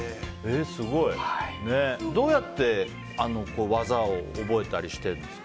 どうやって技を覚えたりしてるんですか？